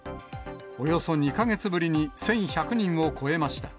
およそ２か月ぶりに１１００人を超えました。